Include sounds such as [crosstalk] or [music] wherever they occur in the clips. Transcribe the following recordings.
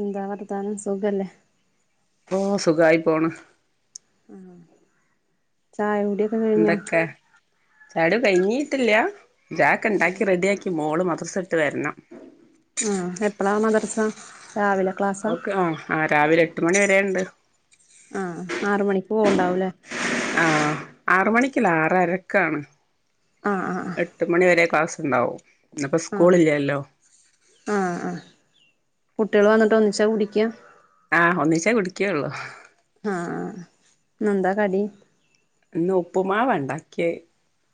എന്താ വർത്താനം സുഖല്ലേ ഓഹ് സുഖായി പോണ് ആഹ് ചായകുടി എന്തൊക്കെ ചായകുടി കഴഞ്ഞിട്ടില്ല ചായക്ക് ഉണ്ടാക്കി റെഡി ആക്കി നിക്ക് മോള് മദ്രസ ഇട്ട് വരണം ആഹ് എപ്പളാ മദർസാ രാവിലെ ക്ലാസ്സാ ഓക്ക് ആഹ് ആഹ് രാവിലെ എട്ട് മണി വരേണ്ട് ആഹ് ആറു മണിക്ക് പോവുണ്ടാവൂലേ ആഹ് ആറ്മണിക്കല്ല ആറരക്കാണ് ആഹ് ആഹ് എട്ട് മണി വരെ ക്ലാസ്ണ്ടാവും ഇന്ന്പ്പോ ആഹ് സ്കൂളില്ലല്ലോ ആഹ് ആഹ് കുട്ട്യാൾ വന്നിട്ട് ഒന്നിച്ചാ കുടിക്യാ ആഹ് ഒന്നിച്ചേ കുടിക്കേ ഒള്ളൂ ആഹ് ആഹ് ഇന്ന് എന്താ കടി ഇന്ന് ഉപ്പുമാവ ഇണ്ടാക്കെ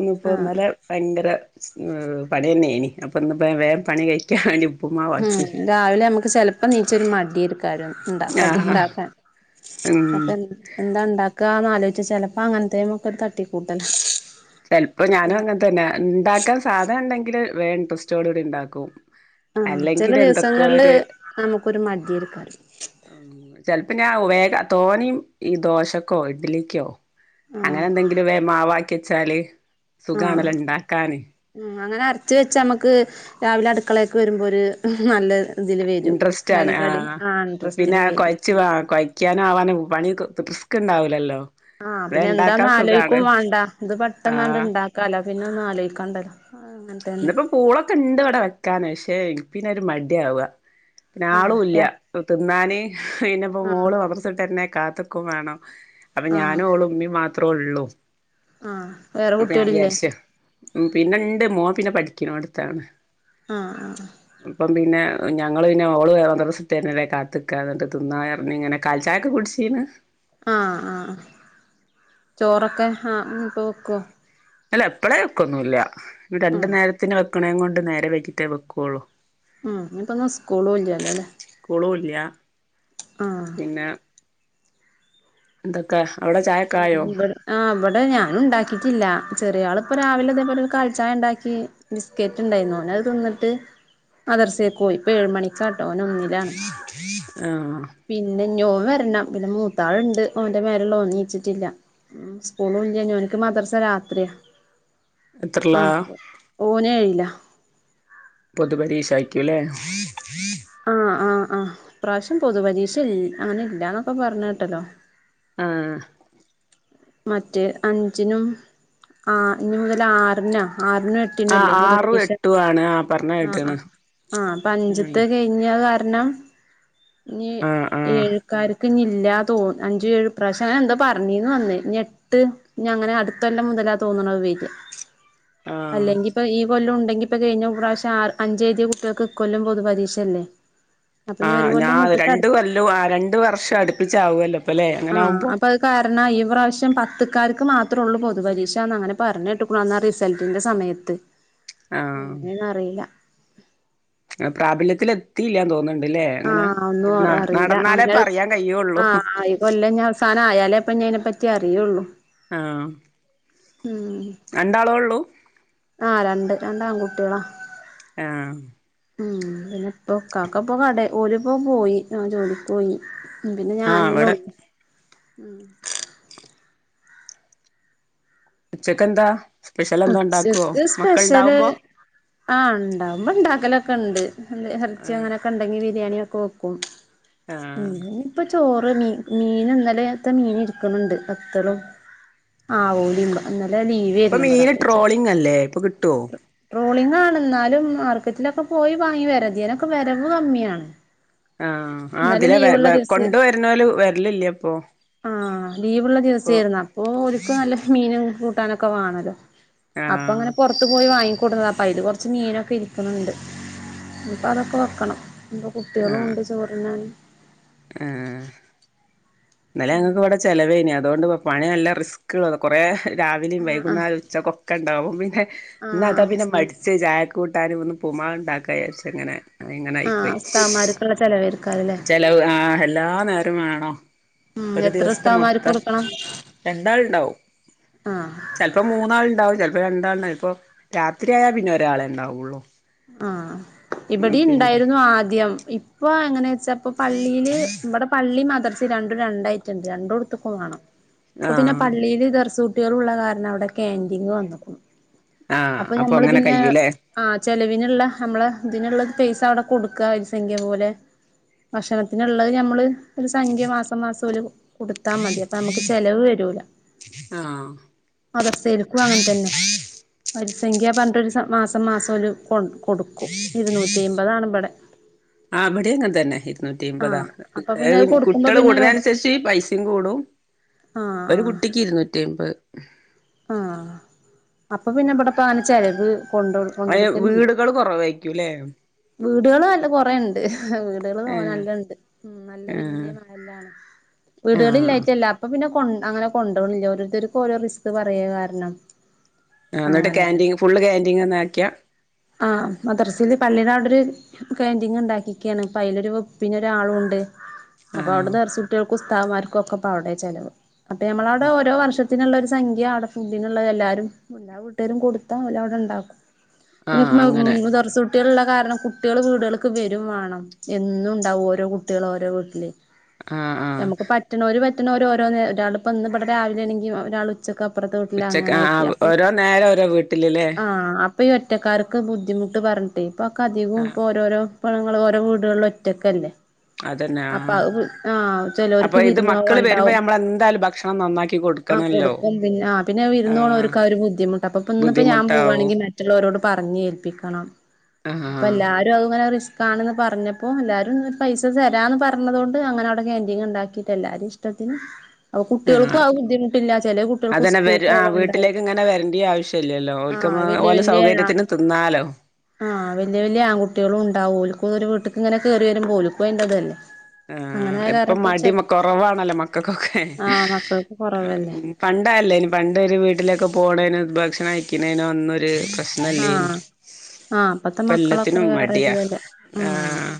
ഇന്ന് പ്പൊ ആഹ് ഇന്നലെ ഭയങ്കര ഏഹ് പണിയന്നെണി അപ്പ ഇന്ന്പ്പ വേം പണി കഴി ഞാന് ഉപ്പുമാ ഉം രാവിലെ നമുക്ക് ചെലപ്പോ നീച്ച ഒരു മടിയെര്ക്കാരം ഉണ്ട കടി ഉണ്ടാക്കാൻ ഏഹ്മ് എന്താ ഉണ്ടാക്കന്ന് ആലോയിച്ച് ചെലപ്പോ അങ്ങനത്തേ ഒക്കെ തട്ടിക്കൂട്ടലാ ചെലപ്പോ ഞാനും അങ്ങനെ തന്ന ഉണ്ടാക്കാൻ സാധനം ഉണ്ടെങ്കില് വേ ഇട്രസ്റ്റോടുകൂടി ഇണ്ടാക്കും ആഹ് ചെല അല്ലെങ്കിൽ എന്തൊക്കോ ദിവസങ്ങളില് ഒരു നമുക്കൊരു മടിയെര്ക്കാരം ഉം ചെലപ്പോ ഞാൻ വേഗ തോനെയും ഈ ദോശക്കോ, ഇഡ്ലിക്യോ അങ്ങനെ ആഹ് എന്തെങ്കിലും വെ മാവാക്കി വെച്ചാല് ആഹ് സുഖണെല്ലോ ഇണ്ടാക്കാന് ഉം അങ്ങനെ അരച്ചു വെച്ച നമ്മുക്ക് രാവിലെ അടുക്കളെക്ക് വരുമ്പോ ഒരു നല്ല ഇതില് വരും ഇൻട്രസ്റ്റ് [unintelligible] ആ ഇൻട്രസ്റ്റില് വരും ച്ച് വാ കൊഴയ്ക്ക്യൻ ആവാനു പണി ക് റിസ്കിണ്ടാവില്ലല്ലോ ആഹ് പിന്നെ എന്താന്ന് ആലോയിക്കും വേണ്ട ഇത് പെട്ടന്നാണ്ട് ആഹ് ഇണ്ടാക്കാലോ പിന്നെ ഒന്ന് ആലോയിക്കാണ്ടല്ലോ അങ്ങനെ തന്നെ പൂളൊക്കെണ്ട് ഇവിടെ വെക്കാന് പക്ഷെ പിന്നെരു മടിയാവ പിന്നെ ആളൂ ആഹ് ഇല്ല തിന്നാന് പിന്നപ്പോ ആഹ് മോള് മദര്സിറ്റന്നെ കാത്ത്‌ക്കും വേണം അപ്പൊ ആഹ് ഞാനു ഓളും ഉമ്മേം മാത്രേ ഒള്ളു ആഹ് വേറെ അപ്പൊ ഞാൻ കുട്ടികളില്ലേ വിചാരിച്ച് ഉം പിന്നെണ്ട് മോൻ പിന്നെ പഠിക്ക്ണോടുത്താണ് ആഹ് ആഹ് ഇപ്പം പിന്നെ ഞങ്ങള് പിന്നെ ഓള് മദ്രസറ്റെര്ണ വരെ കാത്ത്ക്കാ എന്നിട്ട് തിന്നാന്നറഞ് ഇങ്ങനെ കാൽചായക്ക കുടിശീന് ആഹ് ആഹ് ചോറൊക്കെ ആഹ് ഇനി ഇപ്പ വെക്കുവൊ അല്ല ഇപ്പളെ വെക്കൊന്നു ഇല്ല ഇ രണ്ടു ആഹ് നേരത്തിന് വെക്കണേ കൊണ്ട് നേരെ വയ്കിട്ടേ വെക്കുള്ളു ഉം ഇനി ഇപ്പൊ ഒന്നു സ്കൂളും ഇല്ലല്ലോ അല്ലേ കുളു ഇല്ല്യ ആഹ് എന്തൊക്കെ അവിടെ ചായക്കെ ആയോ ഇവിടെ ആ ഇബടെ ഞാനും ഉണ്ടാക്കിട്ടില്ല ചെറിയ ആളിപ്പം രാവിലെ തന്നെ ഇതേ പോലെ കാൽച്ചായ ഇണ്ടാക്കി ബിസ്കറ്റ് ഉണ്ടായിരുന്നു ഓന് അത് തിന്നിട്ട് മദർസേക്ക് പോയി ഇപ്പൊ ഏഴുമണിക്കാട്ടോ ഓന് ഒന്നിലാണ് ആഹ് പിന്നെ ഇഞോൻ വരണം പിന്നെ മൂത്താളുണ്ട് ഓന്റെ മേലെ ഉള്ളഓർ നീച്ചിട്ടില്ല ഉം [unintelligible] ഓൻക്ക് മദർസ രാത്രിയാ എത്രല്ലാ ആപ്പ് ഓനെ ഏഴില്ല പൊതുപരീക്ഷ അയ്ക്കൂല്ലേ ആഹ് ആഹ് ആഹ് ഈ പ്രാവശ്യം പൊതു പരീക്ഷ ഇ അങ്ങനെ ഇല്ലന്നൊക്കെ പറഞ് കേട്ടല്ലോ ആഹ് മറ്റേ അഞ്ചിനും ആ ഇനി മുതൽ ആറിനാ ആറിനും എ ട്ടിനും ആ അല്ലേ ആറും പൊതുപരീശ എട്ടും ആണ് ആ പറഞ്ഞ ആഹ് കേട്ട്ണ് ആഹ് ആഹ് അപ്പഞ്ചത്ത് കൈ ഞകാരണം ഇനി ആഹ് ആഹ് ഏഴ്ക്കാർ ഞ്ഞില്ലാ തോന്ന അഞ്ച് എഴ് ഇപ്രാവശം അങ്ങ എന്താ പറഞ്ഞീന്ന് അന്ന് ഞെ എട്ട് ഇഞ്ഞ് അങ്ങനെ അടുത്തൊല്ലം മുതലാ തോന്നണ് അത് വര ആഹ് അല്ലെങ്കിൽ ഇപ്പം ഈ കൊല്ലം ഉണ്ടെങ്കി ഇപ്പം കഴിഞ്ഞ പ്രാവശ്യം ആ അഞ്ച് എഴുതി കുട്ടികൾക്ക് ഇ കൊല്ലം പൊതു പരീക്ഷ അല്ലേ ആഹ് ഞാൻ രണ്ടു കൊല്ലു ആ രണ്ട് വർഷം അടുപ്പിച്ചാവല്ലോ ആഹ് അപ്പൊ അയ് കാരണം ഈ പ്രാവശ്യം പത്തക്കാർക്ക് മാത്രേ ഒള്ളൂ പൊതു പരീക്ഷാന്ന് അങ്ങനെ പറഞ്ഞ് കേട്ട്ക്ക്ണ്. അന്നാ റിസൾട്ടിൻ്റെ സമയത്ത് എങ്ങനെണറില പ്രാബല്യത്തില് എത്തിയില്ലാന്ന് തോന്ന് അല്ലേ അങ്ങനൊ ആഹ് ഒന്നും അറിയില്ല നടന്നാലേ അങ്ങനെ പറയാൻ കയ്യിഒള്ളൂ സാനം ആയാലേ. ഇപ്പം അതിനെപ്പറ്റി അറിയെള്ളൂ ആഹ് രണ്ടാള് ഒള്ളൂ ആഹ് രണ്ട് രണ്ടാൺ കുട്ട്യാളാ ആഹ് ഉം പിന്നെപൊ കാക്കപ്പോ കട ഓലിപ്പം പോയി ഞൻ ജോലിക്ക് പോയി ഉം പിന്നെ ആഹ് ഞാനെന്നെ ഇവിടെ ഒള്ളു ഉം ഉച്ചക്ക്ന്താ സ്പെഷ്യൽ എന്താ ഉണ്ടാക്കുവോ ഉച്ചക്ക് മക്കൾ സ്പെഷ്യല് ഉണ്ടാവുമ്പോ ആഹ് ഉണ്ടാവുബോ ഉണ്ടാക്കലൊക്കെ ഇണ്ട് ഇറച്ചിയ ആഹ് അങ്ങനെയൊക്കെ ഉണ്ടങ്കി ബിരിയാണിയൊക്കെ വെക്കും ആഹ് ഉം ഇപ്പൊ ചോറ് മീ മീന് ഇന്നലത്തെ മീന് ഇരിക്കുണ് ണ്ട് ബത്തളും ആഹ് ഓലി ഇന്നലെ ലീവ് ഇപ്പൊ ആയിരുന്നു ഇവിടെ മീന് ട്രോളിംഗ് അല്ലേ ഇപ്പൊ കിട്ടോ ട്രോളിംഗാണ് ഇന്നാലും മാർക്കറ്റിലൊക്കെ പോയി വാങ്ങി വരാ ഇതിനൊക്കെ വരവ് കമ്മിയാണ് ആഹ് ആ ഇന്നലെ ലീവുള്ള ഇതിലെ ദിവസം കൊണ്ടുവരുന്നോല് വരലില്ല ഇപ്പൊ ആഹ് ലിവുള്ള ദിവസ ഇപ്പൊ ആരുന്നു അപ്പൊ ഓല്ക്ക് നല്ല മീനും കൂട്ടാനൊക്കെ വേണല്ലോ അപ്പൊ ആഹ് ഇങ്ങനെ പുറത്ത് പോയി വാങ്ങി കെട്ന്നതാ അപ്പെ അയില് കുറ ച്ച് മീനൊക്കെ ഇരിക്കുണുണ്ട് അപ്പോ അതൊക്കെ വെക്കണം ഇന്ന് ആഹ് കുട്ട്യാളുണ്ട് ചോറ് തിന്നാന് ആഹ് ഇന്നലെ ഞങ്ങൾക്ക് ഇവിടെ ചിലവ്വേയ്നി അതുകൊണ്ട് പണി നല്ല റിസ്കള്ള കുറേ രാവിലെയും ആഹ് ആഹ് വൈകുന്നരം ഉച്ചക്ക് ഒക്കെ ഇണ്ടാവും പിന്നെ ഇന്ന് അതാ ആഹ് പിന്നെ മടിച്ച് ചായക്ക് കൂട്ടാനും ഒന്ന് ഉപ്പുമാവ് ഉണ്ടാക്കാ വിചാരിച്ച് അങ്ങനെ ആഹ് ഇങ്ങനെയിപ്പോയി ഉസ്താദ്മാർക്കുള്ള ചെലവേര്ക്കാരല്ലേ ചെലവ് ആ എല്ലാ നേരവും വേണോ ഉം എത്ര ഉസ്താദ്മാര്ക്ക് കൊടുക്കണം രണ്ടാൾണ്ടാവും ആഹ് ചിലപ്പോ മൂന്നാൾ ണ്ടാവും ചിലപ്പോ രണ്ടാൾ ണ്ടാവും ഇപ്പ രാത്രിയായൽ പിന്നെ ഒരാളെ ഉണ്ടാവുള്ളൂ ആഹ ഇവിടെ പിന്നെ ഉണ്ടായിരുന്നു ആദ്യം ഇപ്പൊ എങ്ങനെ വച്ചാ ഇപ്പൊ പള്ളിയില് ഇമ്മടെ പള്ളി മദ്രസ രണ്ടും രണ്ടായിട്ടുണ്ട് രണ്ടു ടുത്തക്കും വേണം ഇ പ്പ പിന്നെ ആഹ് പള്ളിൽ ദർസ് കുട്ടികൾ ഉള്ള കാരണം അവിടെ കന്റീങ് വന്നക്കണം ആഹ് അപ്പൊ നഞമ്മള് അങ്ങനെ പിന്നെ കയ്യൂല്ലേ ആ ചെലവിനുള്ള നമ്മള ഇതിനുള്ളത് പൈസ അവിടെ കൊടുക്കാ വരി സംഖ്യ പോലെ ഭക്ഷണത്തിന്ള്ളത് നഞമ്മള് ഒരു സംഖ്യ മാസം മാസം ഓല് കൊടുത്താ മതി അപ്പൊ നമുക്ക് ചെലവ് വരൂല ആഹ് മതർ സേൽക്കും അങ്ങനെ തന്നെ പരിസംഖ്യ പറഞ്ട്ട് രു മാസം മാസംഓല് കൊണ്ടു കൊടുക്കും ഇരുന്നൂറ്റിമ്പതാണ് ഇവിടെ ആ ഇവടി അങ്ങെനെ തന്നെ ഇരുന്നൂറ്റി അമ്പതാ ആഹ് അപ്പൊ പിന്നെ അത് കൊടുക്കുമ്പോ കുട്ടികൾ പിന്നെ കൂടണ വേ അനുസരിച്ചി പൈസിം കൂടും ആഹ് ഒരു കുട്ടിക്ക് ഇരുന്നൂറ്റി അയ്മ്പത് ആഹ അപ്പൊ പിന്നെ ഇവിടെ പന ചിലവ് കൊണ്ട അ വീടുകൾ കുറവായിരിക്കും അല്ലേ വീടുകളൾ നല്ല കുറേ ഉണ്ട് വീടുകള്തോന ഏഹ് നല്ലണ്ട് ഉ നല്ല ഏഹ് വല്ല്യ മഹല്ലാണ് ആഹ് വീടുകളില്ലായിട്ടല്ല [unintelligible] അപ്പൊ പിന്നെ കൊ അങ്ങനെ കൊണ്ടോണില്ല ഓരോരുത്തർക്ക് ഓരോ റിസ്ക് പറയ കാരണം ആ എന്നിട്ട് അങ്ങനെയാണ് ക്ന്റീൻ ഫുള്ള് ക്യാൻറീൻങ്ന്ന് ആക്കിയാ ആ മദർസിൽ പള്ളീുടെ അവിടൊ ഒരു കേന്റിങ് ഉണ്ടാക്കിക്ക്യാണ് ഇപ്പ അതിലൊരു വെപ്പിിനൊരാളുണ്ട് അപ്പൊ അവിടെ ആഹ് ദർസുട്ടികൾക്കും ഉസ്താവ്മാർക്കും ഒക്കെ പ്പ അവിടെ ചെലവ് അപ്പൊഞമ്മൾവിടെ ഓരോ വർഷ ത്തിനുള്ളരു സംഖ്യ അവിടെ ഫുഡിനുള്ള എല്ലാവരും എല്ലാ വീട്ടുകാരും കൊടുത്താൽ അവലും അവിടെ ഉണ്ടാക്കും പിന്നെ ആഹ് അങ്ങനെ [unintelligible] കുട്ടികളുള്ള കാരണം കുട്ടികൾ വീടുകൾക്ക് വരും വേണം എന്നും ഉണ്ടാവും ഓരോ കുട്ടികൾ ഓരോ വീട്ടില് ആഹ് ആഹ് നമുക്ക് പറ്റണോര് പറ്റുന്നോര് ഓരോ നേ ഒരാൾ ഇപ്പൊ ഇന്ന് ഇവിടെ രാവിലെ ആണെങ്കിൽ ഒരാൾ ഉച്ചക്കപ്പത്ത്ട്വീട്ടില് ഉച്ചക്ക് അങ്ങനെ ആയിട്ട ആഹ് അപ്പൊ ഓരോ നേരം ഓരോ വീട്ടിലല്ലേ ആ ഇപ്പ ഈ ഒറ്റക്കാർക്ക് ബുദ്ധിമുട്ട് പറഞ്ഞിട്ട് ഇപ്പോൾൊക്കെ അധികവും ആഹ് ഇപ്പ ഓരോരോ പങ്ങൾ ഓരോ വീടുകളില ഒറ്റക്കല്ലേ അതന്നെ അപ്പൊ ആഹ് ആഹ അപ്പൊ ചിലവർക്ക് ഇത് വിരുന്നോ വാൻ മക്കള് വരുമ്പോ ണ്ടാവും നമ്മളെന്തായാലും ഭക്ഷണം നന്നാക്കി ആ കൊടുക്കണല്ലോ കൊടുക്കും പിന്നെ പിന്നെ ആഹ് വിരുന്നോണോര്ക് ആ ഒരു ബുദ്ധിമുട്ട അപ്പ ഇന്ന് പ്പ ഞാൻ ബുദ്ധിമുട്ടാവും പോവാണെങ്കിൽ മറ്റുള്ളോരോട് പറഞ്ഞ ഏൽപ്പിക്കണം ആഹ് അപ്പ എല്ല ങ്ങനെ റിസ്ക് ആണന്ന് പറഞ്ഞപ്പോ എല്ലരും ങ്ങനെ പൈസ തരാന്ന് പറഞ്ഞത കൊണ്ട് അങ്ങനെ അവിടെ കൻറീങ് ഉണ്ടാക്കിട്ട് എല്ലാരും ഇഷ്ടത്തിന് അപ്പൊ ആഹ് കുട്ടികൾക്കും ആ ബുദ്ധിമുട്ടില്ല ചെല കുട്ടികൾക്ക് അതന്നെ സ്കൂൾക്ക് പോകാനുണ്ടാവ ല്ലല്ലോ ഓൽക്ക് ഓലെ സൗകര്യത്തിനന് തിന്നാലോ ആഹ് വല്യ വല്ലിയ ആൺകട്ടികളും ഉണ്ടാവും ഓൽക്കൂ ഒരു വീട്ടക്ക് ഇങ്ങനെ കേറി വരുമ്പോഓൽക്ക് തല്ലേ ആ എപ്പം മടി മ കുറവാണല്ലോ മക്കക്കൊക്കെ ആഹ് മക്കൾക്ക് കൊറവല്ലേ പണ്ട അതല്ലേനി പണ്ടൊ ഒരു വീട്ടിലൊക്കെ പോണേന് ഭക്ഷണം കയ്ക്കുന്നേതിനോ ഒന്നൊരു പ്രശനം ആഹ് ആഹ് ഇപ്പത്തെ മക്കളൊക്കെ എല്ലാത്തിനും മടിയാ വേറെരുതല്ല ഉം ആഹ്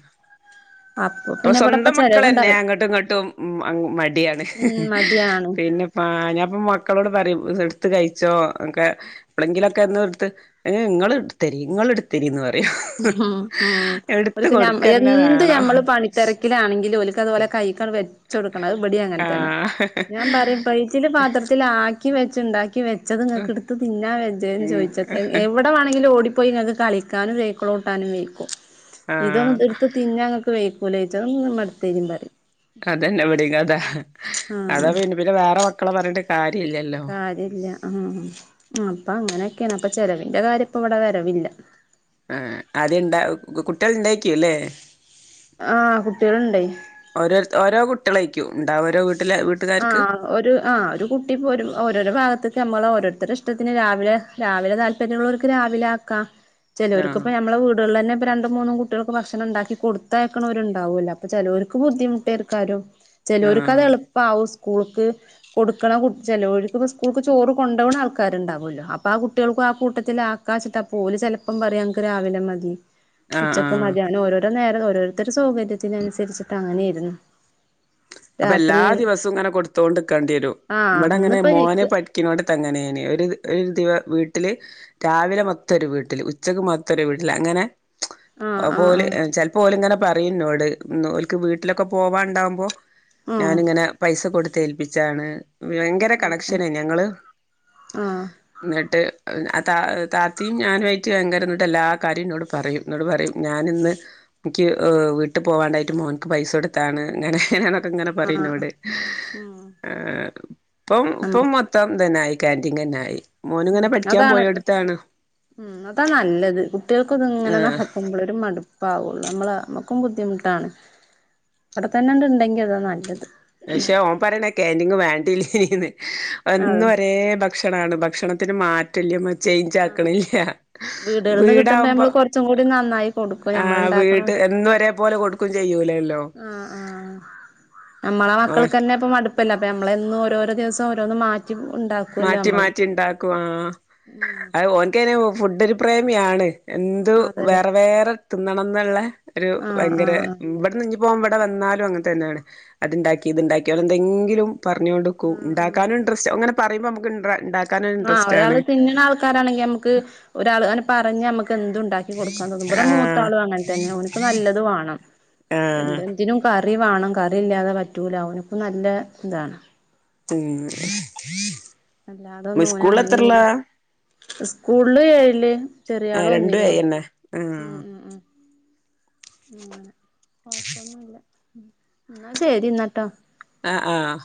അപ്പൊ ഇപ്പൊ പിന്നെ ഇവിടെപ്പ സ്വന്തം മക്കള ന്നെ ചെലവുണ്ടാവും അങ്ങോട്ടും ഇങ്ങോട്ടും ഉം മടിയാണ് ഉം മടിയാണ് പിന്നെ ആഹ് ഞാൻപ്പൊ മക്കളോട് പറിം എടുത്ത് കഴിച്ചോ ഒക്കെ എപ്പോളെങ്കിലൊക്കെ എന്ന് എടുത്ത് ഹേ നിങ്ങള് ഇടത്തേരി ഇങ്ങള് എടു എട്ത്തിരിന്ന് പറയും ഉം ഉം എടുത്ത കൊടുക്കന്നെ വേണം തെരക്കിലാണെങ്കിലും ഒലക്ക് അത് ഓലെ കൈകണ്ട് വെച്ച കൊടുക്കണം അത്പടി അങ്ങനെ തന്നെ ആഹ് ഞാൻ പറിം പൈറ്റിൽ പാത്രത്തിലാക്കി വെച് ഇണ്ടാക്കി വെച്ചത് നിങ്ങക്ക് എടുത്ത് തിന്നാ വേചേന്ന് ഉം ചോദിച്ചത് എവി ടെ വണെങ്കിലും ഓടിപ്പോയി നിങ്ങക്ക് കളിക്കാനും സൈക്കിൾ ഓട്ടാനും വെയ്ക്കും ഇതൊന്നും ആഹ് ഇതടുത്ത് തിന്ന അങ്ങക്ക് വേക്കൂലച്ച ഒന്ന്മ്മ ത്തേരി പറിം അതന്നെ എവിടിം കഥ ആഹ് അതാ പിന്നെ പിന്നെ വേറെ മക്കളെ പറഞ്ഞിട്ട് കാര്യം ഇല്ല കാര്യ ഇല്ല ആഹ് അപ്പൊ അങ്ങനെയൊക്കെയാണ് അപ്പൊ ചെലവിന്റെ കാര്യം ഇപ്പ ഇവിടെ വരവില്ല ആഹ് അത്ണ്ടാ കുട്ടിൾ ഇണ്ടായിറ്റ്ല്ലല്ലേ ആഹ് കുട്ടികൾഡേ ഓരോര് ഓരോ കുട്ടളായിക്കും ഉണ്ടാ ഒരു വീട്ടിലെ വീട്ടുകാർക്ക് ആഹ് ഒരു ആഹ് ഒരു കുട്ടി ഇപ്പോ ഒരു ഓരോരോ ഭാഗത്തേക്ക് നമ്മള ഓരോരുത്തരെ ഇഷ്ടത്തിന് രാവിലെ രാവിലെ താല്പര്യമുള്ളവർക്ക് രാവിലെ ആക്കാം ചെലെർക് ഇപ്പ ആഹ് നമ്മളെ വീടുകളിൽന്നെ പ്പ രണ്ട് മൂന്നും കുട്ടികൾക്ക് ഭക്ഷണം ഇണ്ടാക്കി കൊടുത്തയക്ക്നോര്ണ്ടാവേല്ലെ അപ്പൊ ചെലെർക്ക് ബുദ്ധിമുട്ടിക്കാരം ചിലോരിക്കത് ആഹ് എളുപ്പ ആവും സ്കൂള്ക്ക് കൊടുക്കണ ചെലോഴിക്ക് ഇപ്പം സ്കൂൾക്ക് ചോറ് കൊണ്ടപോകണ ആൾക്കാരുണ്ടാവുമല്ലോ അപ്പ ആ കുട്ടികൾക്കും ആ കൂട്ടത്തിൽ ആ ക്കാച്ചിട്ടാ പോവുല ചെലപ്പം പറയും അംഗ് രാവിലെ മതി ആഹ് ഉച്ചക്ക് ആഹ് മതി അങ്ങനെ ഓരോരോ നേരം ഓരോരുത്തരു സൗകര്യത്തിനനുസരിച്ചിട്ട് അങ്ങനൊയിരുന്നു അപ്പൊ എല്ലാ ദിവസവും ഇങ്ങനെ കൊടുത്തോണ്ടിക്കണ്ടി വരും ആഹ് ഇവിടെ അങ്ങനെ ഇന്നിപ്പോ മോനെ എനിക്ക് പഠി ക്ക്നൊടത്ത് അങ്ങനെണ് ഒരു ഒരു ദിവ വീട്ടില് രാവിലെ മൊത്തരു വീട്ടില് ഉച്ചയ്ക്ക് മൊത്തരു വീട്ടില് അങ്ങനെ ആഹ് അപ്പ ഓല് ആഹ് ചെലപ്പോ ഓല് ഇങ്ങനെ പറയും എന്നോട് ഓൽക്ക് വീട്ടിലൊക്കെ പോവാണ്ടാവുമ്പോ ആഹ് ഞാനിങ്ങനെ പൈസ കൊടുത്തേൽപ്പിച്ചാണ് ഭയങ്കര കണക്ഷനെ ഞങ്ങള് അഹ് എന്നിട്ട് ആ ത താത്തിയും ഞാനും ആയിട്ട് ഭയങ്കരം എന്നിട്ട് എല്ലാ കാര്യോ എന്നോട് പറയും എന്നോട് പറയും ഞാനിന്ന് എനിക്ക് വീട്ട് പോവാണ്ടായിട്ട് മോൻക്ക് പൈസ കൊടുത്താണ് എങ്ങനെയാണ്ക്കെ ഇങ്ങനെ ആഹ് പറയും ആഹ് ഇന്നോട് ഉം അഹ് ഇപ്പം ഉം ഇപ്പം മൊത്തം ഇതന്നായി കാൻറിങ്ങന്നായി ഉം ഇങ്ങനെ പഠിക്കാൻ അതാണ് പോയ എടുത്താണ് ഉം അതാ നല്ലത് കുട്ടികൾക്കൊന്നും ഇങ്ങനെ ആഹ് നടക്കുമ്പോളെ ഒരു മടു പ്പാവുള്ളൂ നമ്മള് നമ്മുക്കും ബുദ്ധിമുട്ടാണ് അവിടെ തന്നെണ്ട ഇണ്ടെങ്കിൽ അതാ നല്ലത് പക്ഷെ ഓൻ പറയണ കാൻന്റിങ്ങ് വേണ്ടല്ലേന്ന് യെന്നും അതെ ഒരേ ഭക്ഷ ണാണ് ഭക്ഷണത്തിന് മാറ്റം റ്റല്ലമ്മ ആഹ് ചേയ്ഞ്ചാക്കണില്ല വീടുകളിൽന്ന് കിട്ടുമ്പോ വീടാവുമ്പോ നമ്മള് കുറച്ചും കൂടി നന്നായി കൊടുക്കും നമ്മൾ ആഹ് ഉണ്ടാക്കണ വീട്ട് എന്നും ഒരേ പോലെ കൊടുക്കും ചെയ്യൂലേല്ലോ ആഹ് ആഹ് നമ്മളെ ആഹ് മക്കൾന്നെ ഇപ്പം മടുപ്പല്ല അപ്പം നമ്മള് എന്നും ഓരോര ദിവസം ഓരോന്ന് മാറ്റി ഇണ്ടാ മാറ്റി മാറ്റി ഇണ്ടാക്കും ആഹ് ഉം അഹ്ഓൻക്കേന് ഫുഡൊരു പ്രേമിയാണ് എന്തു അതെല്ലേ വേറെ വേറെ തിന്നണം ന്നുള്ള ഒരു ആഹ് ഭയങ്കര ആഹ് ഇവിടെന്ന്ന്നി പ്പോ ഓൻ ഇവിടെ വന്നാലും അങ്ങനെ തന്നെയാണ് അത്ണ്ടാക്കി ഇത്ണ്ടാക്കി അവിടെ എന്തെങ്കിലും പറഞ്ഞ കൊടുക്കും ആഹ് ആഹ് ഇണ്ടാക്കാനും ഇൻട്രസ്റ്റ് ഓൻങ്ങനെ പറയുമ്പോ നമുക്ക്ണ്ട ഇണ്ടാ ആഹ് ഒരാള് തിന്നണഅ ആൾക്കാരാണെങ്കിൽ നമുക്ക് ഒരാൾ അങ്ങനെ പറഞ്ഞ നമക്ക് എന്തു ഇണ്ടാക്കി കൊടുക്കാൻ തോന്നും ഇവിടെ മു ആഹ് മൂത്താളും അങ്ങനെ തന്നെ ഓന്ക്ക് നല്ലത് വാണം ആഹ് എൻത് എന്തിനും കാ റി വാണം കറി ഇല്ലാതെ പറ്റൂല ഓന്ക്കും നല്ല ഇതാണ് ഉം അല്ലാതൊന്നും ഓന് സ്കൂളിൽ അങ്ങനിം എത്രേലാ ഇങ്ങനെ സ്കൂളില് ഏഴില് ചെറിയ ആഹ് ആള് രണ്ടു എ ഒന്നിലുവാ ന്നെ ഉം ആഹ് ഉം ഉം അങ്ങനെ കൊഴപ്പൊന്നുംല്ല ഉം ഇന്നാ ശരിന്നാട്ടോ ആഹ് ആഹ്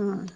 ആഹ്